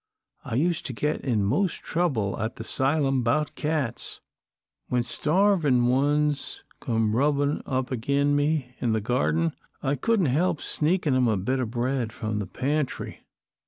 I used to get in most trouble at the 'sylum 'bout cats. When starvin' ones came rubbin' up agin me in the garden, I couldn't help sneakin' them a bit o' bread from the pantry.